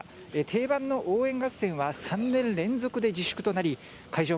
定番の応援合戦は３年連続で自粛となり会場